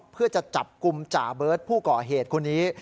เพื่อจะจับกลุ่มจ่าเบิร์ตผู้ก่อเหตุคนนี้